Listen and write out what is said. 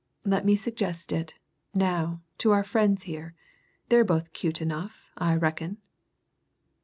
Let me suggest it, now, to our friends here they're both cute enough, I reckon!"